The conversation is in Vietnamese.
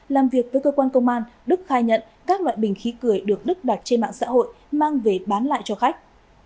làm việc với cơ quan công an đức khai nhận các loại bình khí cười được đức đặt trên mạng xã hội mang về bán lại cho khách